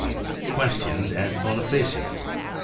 Questiones ad Bonifacium.